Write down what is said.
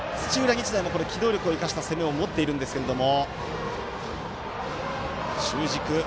日大も機動力を生かした攻めを持っているんですけれども。